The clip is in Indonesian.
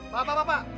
bapak bapak bapak